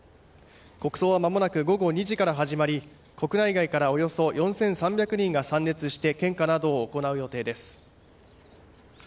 国葬はまもなく午後２時から始まり国内外からおよそ４３００人が参列して献花などを行う予定です。